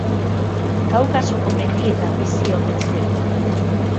Kaukasoko mendietan bizi omen zen.